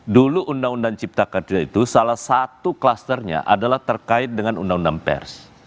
dulu undang undang cipta kerja itu salah satu klusternya adalah terkait dengan undang undang pers